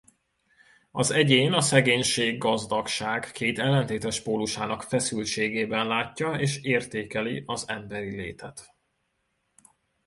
Az egyén a szegénység-gazdagság két ellentétes pólusának feszültségében látja és értékeli az emberi létet.